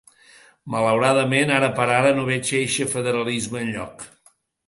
Malauradament, ara per ara, no veig eixe federalisme enlloc.